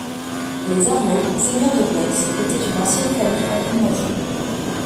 Les Arnaud, seigneurs de Bouex, étaient une ancienne famille angoumoisine.